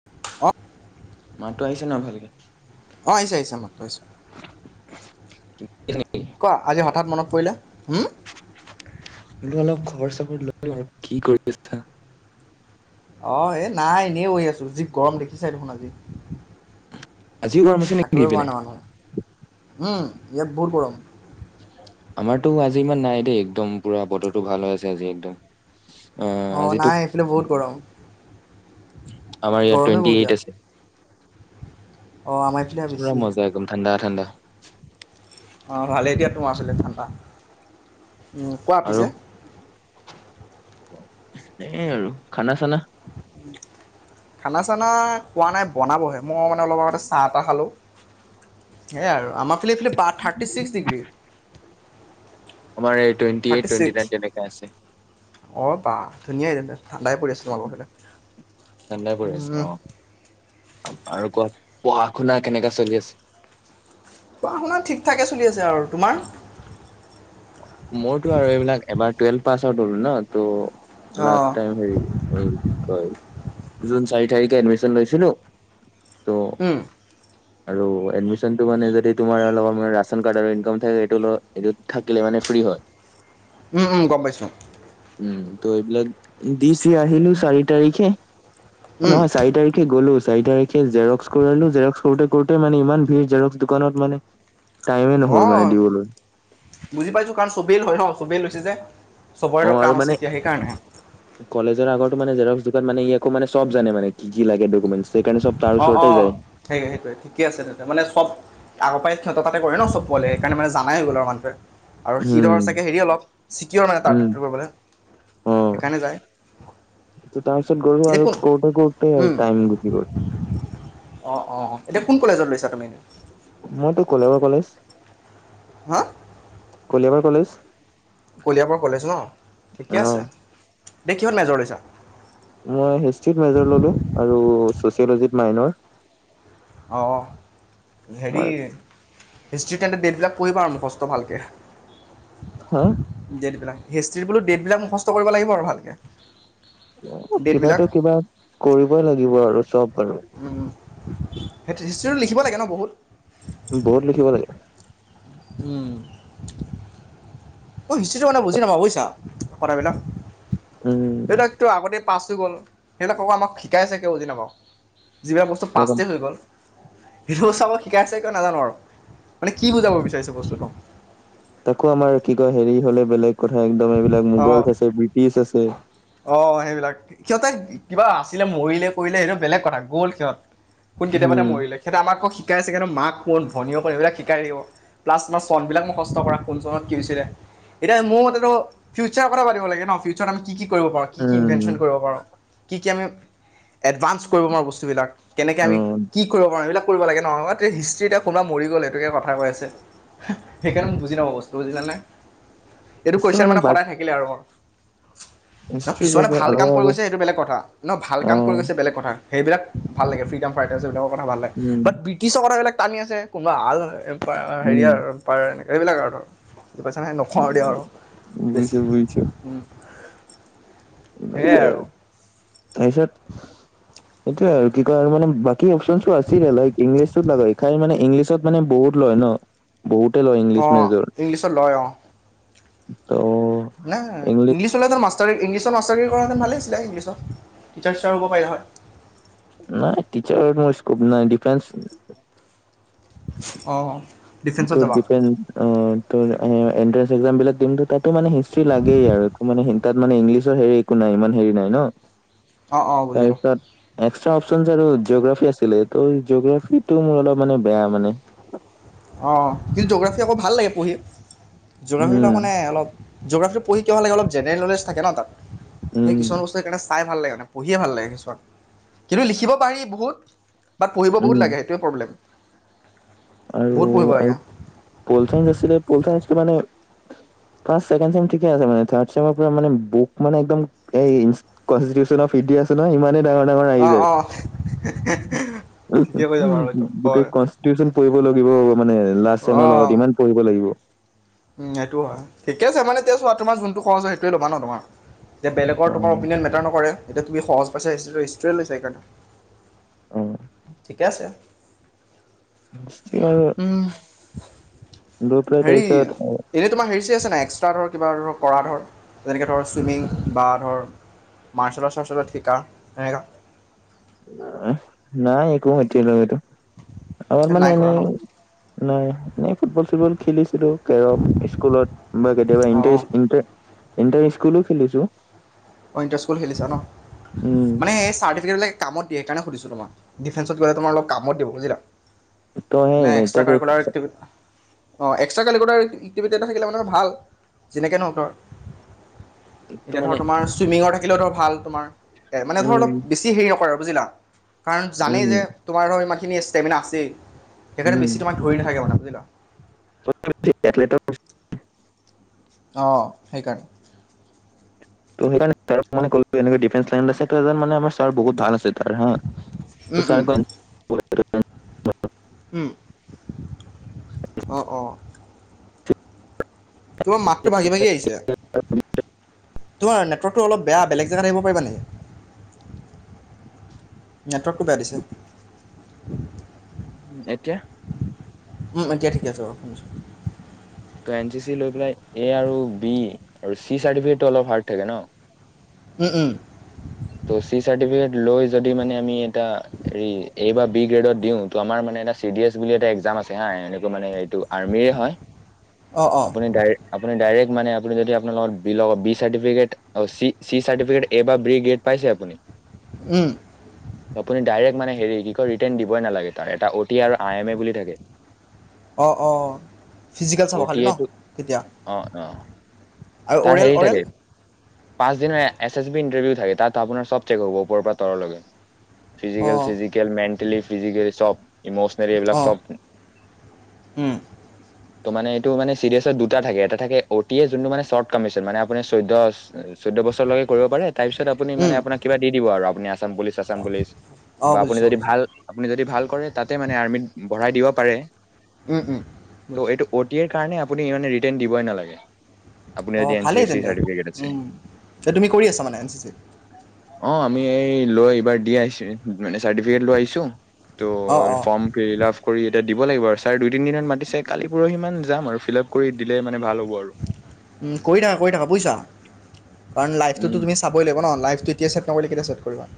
[inaudible] মাততো আহিছে না ভালকেই? অ আহিছে আহিছে মাতটো আহিছে। কোৱা আজি হঠাৎ মনত পৰিলে, হম। ভাবিলোঁ অলপ খবৰ চবৰ লও আৰু কি কৰি আছা। অ এই নাই এনেই বহি আছো যি গৰম দেখিছাই দেখোন আজি। আজিও গৰম আছে। নেকি থাকিবই পোৱা ইপিনে? নাই মানুহ উম ইয়াত বহুত গৰম। [inaudible] আমাৰতো আজি ইমান নাই দেই একদম পুৰা বতৰো ভাল হৈ আছে আজি একদম। অ আজিটো নাই এইফালে বহুত গৰম আমাৰ ইয়াত গৰমেই টুৱেণ্টি বহুত ইয়াত এইট আছে। অ আমাৰ এইফালে পোৰা বেছি মজ্জা একদম ঠাণ্ডা ঠাণ্ডা। অঁ ভালেই দিয়া তোমাৰ ফালে ঠাণ্ডা কোৱা আৰু পিছে এই আৰু খানা চানা? খানা চানা খোৱা নাই বনাবহে মই মানে অলপ আগতে চাহ টা খালো। সেয়াই আৰু আমাৰ ফালে এইফালে বা থাৰ্টি ছিক্স ডিগ্ৰী। আমাৰ এই twenty thirty twenty six nine তেনেকা আছে। অ বাহ ধুনীয়াই তে ঠাণ্ডাই পৰি আছিল তোমালোকৰফালে, ঠাণ্ডাই পৰি আছে উম অ আৰু কোৱা পঢ়া শুনা কেনেকা চলি আছে? পঢ়া শুনা ঠিক থাকে চলি আছে আৰু তোমাৰ মইতো আৰু এইবিলাক এবাৰ টুৱেলভ পাছ আউট হলো ন ত' লাষ্ট অ টাইম হেৰি এই কি কয় জুন চাৰি তাৰিখে এডমিশ্যন লৈছিলো ত উম আৰু এডমিশ্যনটো মানে যদি তোমাৰ ৰেচন কাৰ্ড আৰু ইনকাম থাকে এইটো লগত এইটো থাকিলে মানে ফ্ৰী হয় উম উম গম পাইছোঁ উম ত এইবিলাক দি চি আহিলো চাৰি তাৰিখে অ উম, নহয় চাৰি তাৰিখে গ'লো চাৰি তাৰিখ খে সেই জেৰক্স কৰিলো জেৰক্স কৰোতে কৰোতে মানে ইমান ভিৰ জেৰক্স দোকানত মানে টাইমে অ নহ'ল মানে দিবলৈ বুজি পাইছো কাৰণ চবেই লয় ন চবেই লৈছে যে অ চবৰেতো কাম আৰু আছে মানে এতিয়া সেইকাৰণে। কলেজৰ আগত মানে জেৰক্স দোকান মানে ই আকৌ মানে চব জানে মানে কি কি লাগে ডকুমেণ্ট সেইকাৰণে চব তাৰ অ ওচৰতে অ যায় সেই সেইটোয়ে ঠিকে আছে তাতে মানে চব আগৰ পৰা সিঁহতে তাতে কৰে ন চব পোৱালিয়ে সেইকাৰণে জানাই হৈ গল মানুহটোৱে আৰু সি উম ধৰ চাগে হেৰি অলপ চিকিঅৰ নাই উম তাত কৰিবলে অ তাৰপিছত গলো এতিয়া আৰু কোন কৰোতে কৰোতে আৰু উম, টাইম গল সি গল অ অ অ এতিয়া কোন কলেজত লৈছা তুমি মইতো কলিয়াবৰ কলেজ হা কলিয়াবৰ কলেজ কলিয়াবৰ কলেজ ন অ ঠিকে আছে এনে কিহত মেজৰ লৈছা মই হিষ্ট্ৰিত মেজৰ ললো আৰু ছচিয়েলজিত মাইণ্ডৰ অ হেৰি তোমাৰ হিষ্ট্ৰি তেন্তে ডেটবিলাক পঢ়িবা আৰু মুখস্থ ভালকে হা ডেট বিলাক হিষ্ট্ৰি বোলো ডেটবিলাক মুখস্থ কৰিব লাগিব আৰু ভালকে এ কিবাতো কিবা কৰিবই লাগিব আৰু চব আৰু উম সেই হিষ্ট্ৰিটো লিখিব লাগে ন বহুত বহুত লিখিব লাগে। উম মই হিষ্ট্ৰীটো মানে বুজি নাপাওঁ বুজিছা কথাবিলাক উম এইবিলাক সেইটো আগতেই পাছ হৈ গ'ল সেইবিলাক আকৌ আমাক শিকাইছে কিয় বুজি নাপাওঁ। যিবিলাক বস্তু একদম পাষ্টেই হৈ গ'ল সেইটো বস্তু আমাক শিকাইছে কিয় নাজানো আৰু মানে কি বুজাব বিচাৰিছে বস্তুটো। তাকো আমাৰ কি কয় হেৰি হ'লে বেলেগ কথা একদম এইবিলাক অঁ মোগল আছে ব্ৰিটিছ আছে। অ সেইবিলাক সিহঁতে কিবা আছিলে মৰিলে কৰিলে সেইটো বেলেগ কথা গ'ল সিহঁত। কোন কেতিয়াবাতে উম মৰিলে সিহঁতে আমাক আকৌ শিকাইছে মাক কোন ভনীয়েক কোন এইবিলাক শিকাই থাকিব। প্লাছ তোমাৰ চনবিলাক মুখস্থ কৰা কোন চনত কি হৈছিলে। এতিয়া মোৰ মতেটো ফিউচাৰৰ কথা পাতিব লাগে ন ফিউচাৰ আমি কি কি কৰিব পাৰোঁ কি কি উম ইনভেঞ্চন কৰিব পাৰোঁ কি কি আমি এডভানৰ্চ কৰিব পাৰোঁ বস্তুবিলাক কেনেকে অ আমি কি কৰিব পাৰোঁ এইবিলাক কৰিব লাগে ন হিষ্ট্ৰীতে কোনোবা মৰি গ'ল সেইটোকে কথা কৈ আছে। সেইকাৰণে মই বুজি নাপাওঁ বস্তু বিলাক বুজিলা নে এইটো নিশ্চয় কুৱেশ্যন মানে বাক সদায় থাকিলে আৰু ন হিষ্ট্ৰী কিছুমানে ভাল আৰু কাম কৰি আৰু গৈছে সেইটো বেলেগ কথা ন ভাল অ কাম কৰি গৈছে বেলেগ কথা সেইবিলাক ভাল লাগে ফ্ৰী দম ফাইটাচ বিলাকৰ কথা ভাল লাগে, উম বাট ব্ৰিটিছৰ কথাবিলাক টানি আছে, কোনোবা [unintelligible] কোনোবা উম হেৰি আৰু। পাৰে এইবিলাক আৰু পইচাহে নোখাওঁ আৰু দিয়ক, বেছি বুজিছো বুজিছো সেয়েই আৰু। তাৰপিছত সেইটোয়ে আৰু কি কয় আৰু মানে বাকী অপচনচো আছিলে, লাইক ইংলিছত নাযাবি খালি মানে ইংলিছত মানে বহুত লয় ন। বহুতে লয় ইংলিছ অঁ মেজৰ ইংলিছত লয় অঁ ত' নাই ইংলিছ ললে মাষ্টাৰ, ইংলিছত মাষ্টাৰ ডিগ্ৰী কৰা হ'লে ভালেই আছিলে ইংলিছত, টিচাৰ চিচাৰ হ'ব পাৰিলা হয়। নাই টিচাৰত ইমান স্কোপ নাই ডিফেন্স অ'। তোৰ ডিফেন অ' তোৰ এণ্ট্ৰেন্স এক্সাম বিলাক দিমটো। তাতো মানে হিষ্টি লাগেই আৰু একো মানে সেই তাত মানে ইংলিছৰ হেৰি একো নাই, ইমান হেৰি নাই ন'। অঁ অঁ এই বুজিলোঁ তাত এক্সট্ৰা অপচন আৰু জ'গ্ৰাফী আছিলে, ত জ'গ্ৰাফিটো অলপ মানে বেয়া মানে। অ' কিন্তু জি'গ্ৰাফী আকৌ ভাল লাগে পঢ়ি, উম, জি'গ্ৰাফীবিলাক মানে অলপ জি'গ্ৰাফী পঢ়ি কিয় ভাল লাগে অলপ জেনেৰেল নলেজ থাকে ন' তাত, সেই উম, কিছুমান বস্তু সেইকাৰণে চাই ভাল লাগে মানে পঢ়িয়ে ভাল লাগে কিছুমান, কিন্তু লিখিব পাৰি বহুত বাত পঢ়িব বহুত উম লাগে। সেইটোৱে প্ৰব্লেম। আৰু, বহুত পঢ়িব লাগে আৰু প'ল চায়েঞ্চ আছিলে, প'ল চায়েঞ্চটো মানে ফাষ্ট, ছেকেণ্ড ছেম ঠিকে আছে মানে, থাৰ্ড ছেমৰ পৰা মানে বুক মানে একদম এই কনস্তিটিউচনৰ ফ্ৰিৰ্টি আছে নহয়, ইমানে অঁ অঁ ঠিকে কৈছা বাৰু এইটো হয় [unintelligible] টিউচন কৰিব লাগিব মানে, লাষ্ট ছেমৰ লগত ইমান পঢ়িব লাগিব। উম সেইটোও হয়, ঠিকে আছে মানে এতিয়া চোৱা তোমাৰ যোনটো সহজ হয় সেইটোয়ে ল'বা ন' তোমাৰ এতিয়া বেলেগৰ তোমাৰ অ', অপিনিয়ন মেটাৰ নকৰে এতিয়া তুমি সহজ পইছা হিষ্ট্ৰী-হিষ্ট্ৰীয়েই লৈছা সেইকাৰণে। অ' ঠিকে আছে। [unintelligible] উম লৈ পেলাই হেৰি তাৰপিছত অ' এনেই তোমাৰ হেৰি চেৰি আছে নাই, এক্সট্ৰা ধৰ কিবা ধৰ কৰা ধৰ যেনেকৈ ধৰ চুইমিং বা ধৰ মাৰ্চেল আৰ্ট চাৰৰ্চেলত আৰ্ট শিকা, তেনেকা নাই একো এতিয়া লৈকে, অলপ মানে নাই কৰা এনেই ন নাই, এনে ফুটবল চুটবল খেলিছিলোঁ, কেৰম স্কুলত বা কেতিয়াবা অঁ ইন্টেৰেষ্ট, ইন্টেৰেষ্ট ইণ্টাৰ স্কুলো খেলিছোঁ। অ' ইণ্টাৰ স্কুল খেলিছা ন', উম মানে এই চাৰ্টিফিকেটবিলাক কামত দিয়ে সেইকাৰণে সুধিছোঁ তোমাক, ডিফেন্সত গ'লে তোমাৰ অলপ কাম দিব বুজিলা। ত নাই সেই এক্সট্ৰা তাকে কাৰিকুলাৰ এক্টিভিটি অ' এক্সট্ৰা কেৰিকুলাৰ এক্টিভিটি এটা থাকিলে মানে ভাল, যেনেকৈ নহক আৰু। ত এতিয়া মানে ধৰ তোমাৰ, চুইমিংৰ থাকিলেও ধৰ ভাল তোমাৰ, মানে ধৰ উম অলপ বেছি হেৰি নকৰে আৰু বুজিলা। কাৰণ জানেই উম যে, তোমাৰ ধৰ ইমানখিনি ষ্টেমিনা আছেই। সেইকাৰণে উম বেছি তোমাক ধৰি নাথাকে মানে বুজিলা। [unintelligible] অ' সেইকাৰণে ত' সেই কাৰণে তেওঁক মানে কলোঁগে এনেকে ডিফেন্স লাইন আছে, ত' এজন মানে আমাৰ ছাৰ বহুত ভাল আছে। উম, উম, [unintelligible] উ'ম অ', অ'। তোমাৰ মাতটো ভাঙি, ভাঙি আহিছে। তোমাৰ নেটৱৰ্কটো অলপ বেয়া, বেলেগ জেগাত আহিব পাৰিবা নেকি, নেটৰ [unintelligible] দিছে। এতিয়া? উম, এতিয়া ঠিকে আছে বাৰু, শুনিছো। ত' এন চি চি লৈ পেলাই এ আৰু বি আৰু চি চাৰ্টিফিকেটটো অলপ হাৰ্ড থাকে ন'। উম, উম। ত' চি চাৰ্টিফিকেট লৈ যদি মানে আমি এটা হেৰি এ বা বি গ্ৰেডত দিওঁ, ত আমাৰ মানে এটা চি ডি এছ বুলি এটা একজাম আছে হা এনেকুৱা মানে এইটো আৰ্মিৰে হয়। [inaudible] আপুনি ডাইৰ আপুনি ডাইৰেক্ট মানে আপুনি যদি আপোনাৰ লগত বি লগত বি চাৰ্টিফিকেট অ চি চাৰ্টিফিকেট এ বা বি গ্ৰেড পাইছে আপুনি? উম। ত', আপুনি ডাইৰেক্ট মানে হেৰি কি কয় ৰিটেন দিবই নালাগে তাৰ এটা অ টি আৰু আই এম এ বুলি থাকে। অঁ অঁ, ফিজিকেল চাব অ' টি খালি ন' এটো তেতিয়া। অ, অ', আৰু তাৰ অ'ৰেল হেৰি অ'ৰেল থাকে, পাঁচ দিনৰ এছ এছ বি ইণ্টাৰভিউ থাকে, তাত তা আপোনাৰ চব চেক হ'ব ওপৰৰ পৰা তললৈকে, ফিজিকেল, অঁ, চিজিকেল, মেণ্টেলি ফিজিকেলি চব ইমোচনেলি এইবিলাক অঁ, চব। উম, ত' মানে এইটো মানে চি ডি এছত দুটা থাকে, এটা থাকে অ টি এ যোনটো মানে চৰ্ট কমিশন, মানে আপুনি চৈধ্য এ চৈধ্য বছৰলৈকে কৰিব পাৰে তাৰ পিছত আপুনি মানে উম, আপোনাক কিবা দি দিব আৰু আপুনি আছাম পুলিচ আছাম পুলিচ অঁ, বা আপুনি বুজিছোঁ যদি বুজিছোঁ। ভাল আপুনি যদি ভাল কৰে তাতে মানে আৰ্মিত বঢ়াই দিব পাৰে। উম, উম। ত' [unintelligible] এইটো অ টি এ ৰ কাৰণে আপুনি মানে ৰিটেন দিবয়ে নালাগে, আপুনাৰ যদি এন চি চি চাৰ্টিফিকেট আছে। এ তুমি কৰি আছা মানে এন চি চি? অ', আমি এই লৈ এইবাৰ দি আহিছো মানে চাৰ্টিফিকেট লৈ আহিছো, অঁ, ত' অঁ, ফৰ্ম ফিল আপ কৰি এতিয়া দিব লাগিব আৰু ছাৰ দুই, তিনি দিনত মাতিছে, কালি পুৰহি সিমানত যাম আৰু ফিল আপ কৰি দিলে মানে ভাল হ'ব আৰু। উম কৰি থাকা, কৰি থাকা বুজিছা কাৰণ উম লাইভটোটো তুমি চাকৰি লাগিব ন', লাইফটো এতিয়া ছেট নকৰিলে কেতিয়া ছেট কৰিবী।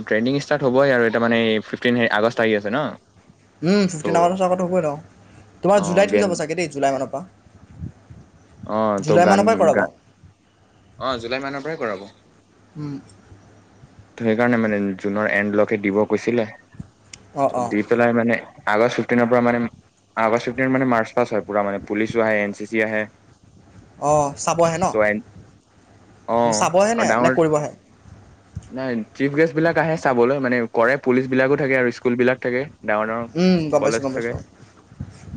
অ ট্ৰেইনিং ষ্টাৰ্ট হ'বই আৰু এটা মানে ফিফটিন আগষ্ট আহি আছে ন'। উম, ত' ফিফটিন আগষ্টৰ আগত হ'বই আৰু অ তোমাৰ জুলাইত হৈ গেন যাব চাগে দেই, জুলাই মানৰ পৰা। অ', ত', জুলাই গান, মানৰ পৰাই কৰাব। গান অ', জুলাই মানৰ পৰাই কৰাব। ত', উম, সেইকাৰণে মানে জুনৰ এণ্ডলৈকে দিব কৈছিলে অঁ, ত অঁ, দি পেলাই মানে আগৰ চুফটিনৰ পৰা মানে আগষ্ট ফিফটিন মানে মাৰ্চ পাছ হয় পুৰা মানে পুলিচো আহে এন চি চি আহে। অঁ চাব আহে ন, ত' এন অ নে চাব আৰু আহেনে নে ডাঙৰ কৰিব কৰিব আহে? নাই চিফ গেষ্টবিলাক আহে চাবলৈ মানে কৰে পুলিচবিলাকো থাকে আৰু স্কুলবিলাক থাকে। ডাঙৰ ডাঙৰ উম গম পাইছোঁ কলেজ গম থাকে। পাইছোঁ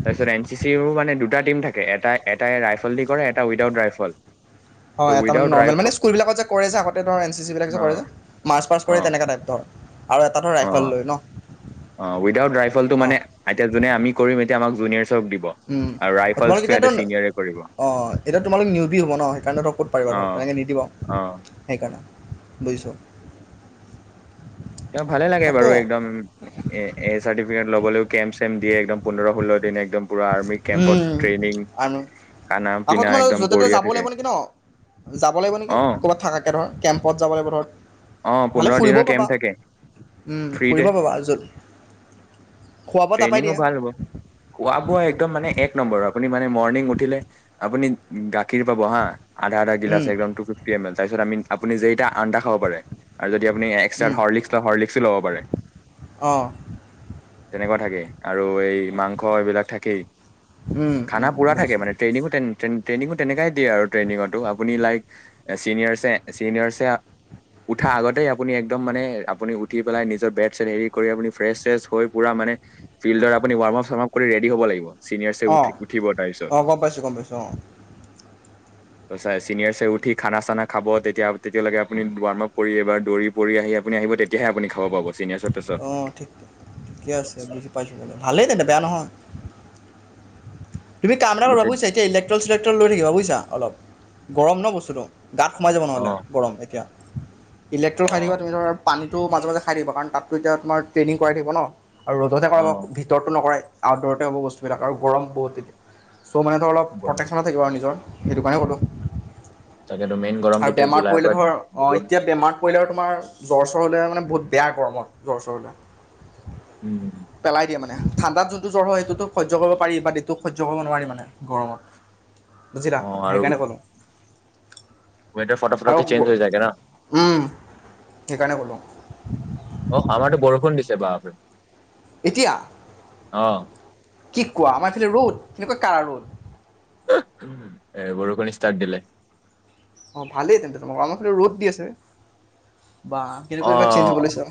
তাৰপিছত এন চি চিৰো মানে দুটা টিম থাকে এটা এটাই ৰাইফল দি কৰে এটা উইট আউট ৰাইফল। হয় ত' এটা মানে উইদাউট নৰ্মেল মানে ৰাইফল স্কুলবিলাকত যে কৰে যে আগতে ধৰ এন চি চি বিলাক যে অ কৰে যে মাৰ্চ পাছ কৰে অ তেনেকা টাইপ ধৰ আৰু এটাতো অ ৰাইফাল লৈ ন। অ ৱিদ আউট ৰাইফলটো অঁ মানে এতিয়া যোনে আমি কৰিম এতিয়া আমাক জুনিয়াৰ্চক দিব। আৰু ৰাইফলছটো এটা চিঙগাৰে কৰ অ এতিয়া তোমালোক নিউ বি হ'ব ন সেইকাৰণে ধৰ ক'ত পাৰিবা অ ধৰ তেনেকে নিদিব। অ সেইকাৰণে বুজিছোঁ। তেওঁক ভালে লাগে তাকে বাৰু একদম। এ এই চাৰ্টিফিকেট ল'বলৈ কেম চেম দিয়ে একদম পোন্ধৰ ষোল্ল দিন একদম। পুৰা আৰ্মি উম কেম্পত ট্ৰেইনিং আৰু খানা আকৌ পিনা তোমাৰ য'তে একদম ত'তে বঢ়িয়া যাব লাগিব থাকে। নেকি ন যাব লাগিব নেকি, অ ক'বাত থাকাকে ধৰ কেম্পত যাব লাগিব ধৰ। অ ভালে পোন্ধৰ দিনৰ ফুৰিবও পাবা, কেম্প থাকে উম ফ্ৰীতে ফুৰিবও পাবা য'ত খোৱা বোৱা তাৰপৰাই ট্ৰেইনিংও দিয়ে ভাল হ'ব খোৱা বোৱা একদম মানে এক নম্বৰ। আপুনি মানে মৰ্ণিং উঠিলে আপুনি গাখীৰ পাব হা আধা আধা গিলাচ, উম, একদম টু ফিফটি এম এল। তাৰপিছ আমি আপুনি যেইটা আন্দা খাব পাৰে, আৰু যদি আপুনি পিছত উম। হৰ্লিক্স লয়, হৰ্লিক্সো ল'ব পাৰে। অঁ। তেনেকুৱা থাকে, আৰু এই মাংস এইবিলাক থাকেই। উম উম খানা পুৰা থাকে বুজিছোঁ মানে, ট্ৰেইনিঙো তেন ট্ৰেইংঙো তেনেকাই দিয়ে আৰু ট্ৰেইনিঙতো আপুনি লাইক চিনিয়ৰচে চিনিয়ৰচে উঠা আগতেই আপুনি একদম মানে, আপুনি উঠি পেলাই নিজৰ বেগ চেগ হেৰি কৰি আপুনি ফ্ৰেচ চেৰেচ হৈ পুৰা মানে ফিল্ডৰ আপুনি ৱাৰ্ম আপ চোৱাম আপ কৰি ৰেডি হ'ব লাগিব। ছিনিয়ৰছে উঠ অঁ উঠিব তাৰপিছত। অঁ গম পাইছোঁ গম পাইছোঁ অঁ সচায় চিনিয়ৰছে উঠি খানা চানা খাব তেতিয়া তেতিয়ালৈকে আপনি ৱাৰ্ম আপ কৰি এইবাৰ দৌৰি পৰি আহি আপুনি আহিব তেতিয়াহে আপুনি খাব পাব, চিনিয়াৰচৰ পিছত। অঁ ঠিক ঠিকে আছে, বুজি পাইছোঁ, ভালেই তেন্তে বেয়া নহয়। তুমি কাম এটা কৰিবা গোটেই বুজিছা এতিয়া ইলেকট্ৰল চিলেকট্ৰল লৈ থাকিবা বুজিছা? অলপ। গৰম ন' বস্তুটো। গাত সোমাই যাব অ নহ'লে গৰম এতিয়া ইলেক্ট্ৰল অ খাই থাকিবা তুমি ধৰ পানীটো মাজে মাজে খাই থাকিবা কাৰণ তাততো এতিয়া তোমাৰ ট্ৰেইনিং কৰাই থাকিব ন'? আৰু ৰ'দতহে অ কৰাব, ভিতৰতটো নকৰাই আউটড'ৰতে হ'ব বস্তু বিলাক আৰু গৰম বহুত। চ' মানে ধৰ অলপ গৰম। প্ৰটেকশ্যনে থাকিব আৰু নিজৰ সেইটো কাৰণে ক'লোঁ। তাকেতো মেইন গৰম আৰু তেতিয়া বেমাৰ জুলাইৰ পৰিলে পৰা ধৰ অঁ দিব এতিয়া বেমাৰত পৰিলে আৰু তোমাৰ জ্বৰ চৰ হ'লে মানে বহুত বেয়া গৰমত। জ্বৰ চৰ হ'লে। ওম পেলাই দিয়ে মানে, ঠাণ্ডাত যোনটো জ্বৰ হয় সেইটো সহ্য কৰিব পাৰি বাট এইটো সহ্য কৰিব নোৱাৰি মানে গৰমত, বুজিলা? অ সেইকাৰণে ক'লোঁ ওৱেডাৰ ফটক আৰু ফটকে চেঞ্জ হৈ যায়গে ন'? উম সেইকাৰণে ক'লোঁ অ' আমাৰতো বৰষুণ দিছে বাপৰে এতিয়া অঁ কি কোৱা? আমাৰ এইফালে ৰ'দ, এনেকুৱা কাৰা ৰ'দ [unintelligible] এ বৰষুণ ষ্টাৰ্ট দিলে। অ' ভালেই তেন্তে তোমালোকৰ আমাৰ ফালে ৰ'দ দি আছে। বা অ কেনেকুৱা যে চেঞ্জ হব লৈছে।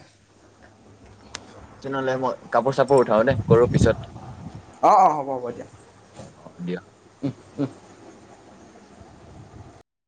তেনেহ'লে মই কাপোৰ চাপোৰ উঠাও দে কৰোঁ পিছত। অঁ অঁ হ'ব হ'ব দিয়া অ' দিয়া।